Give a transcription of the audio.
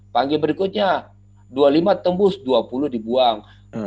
panggil berikutnya dua puluh lima tembus dua puluh dibuang